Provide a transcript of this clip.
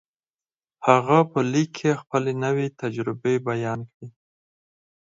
هغه په ليک کې خپلې نوې تجربې بيان کړې.